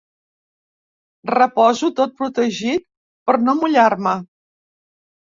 Reposo tot protegit per no mullar-me.